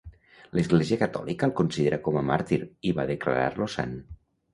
L'Església catòlica el considera com a màrtir i va declarar-lo sant.